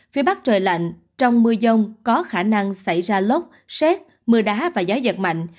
phía bắc trời lạnh trong mưa dông có khả năng xảy ra lốc xét mưa đá và gió giật mạnh